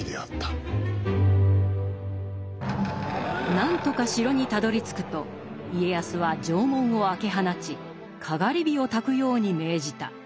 何とか城にたどりつくと家康は城門を開け放ちかがり火をたくように命じた。